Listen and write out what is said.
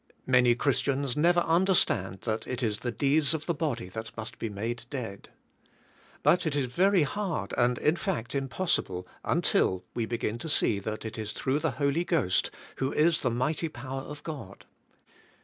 Many Christians never understand that it is the deeds of the body that must be made dead. But it is very hard, and in fact impossible, until we begin to see that it is through the Holy Ghost who is the mighty power of God.